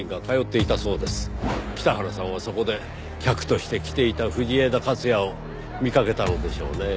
北原さんはそこで客として来ていた藤枝克也を見かけたのでしょうねぇ。